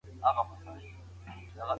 جنګونه یوازي مرګ ژوبله لري.